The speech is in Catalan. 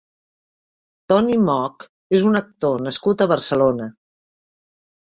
Toni Moog és un actor nascut a Barcelona.